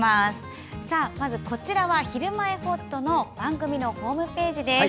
まず、こちらは「ひるまえほっと」の番組のホームページです。